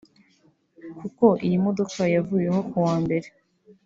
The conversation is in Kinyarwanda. kuko iyi modoka yavuyeho kuwa Mbere